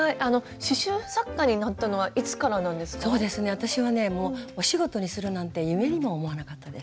私はねもうお仕事にするなんて夢にも思わなかったです。